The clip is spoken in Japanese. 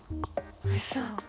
うそ。